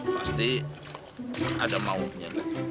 pasti ada maunya